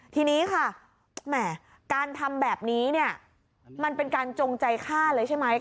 ทีนี้ค่ะแหมการทำแบบนี้เนี่ยมันเป็นการจงใจฆ่าเลยใช่ไหม